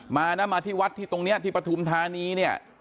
มานะมาที่วัดที่ตรงนี้ที่ปฐุมธานีเนี่ย